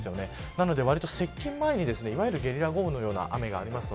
なので接近前にいわゆるゲリラ豪雨のような雨があります。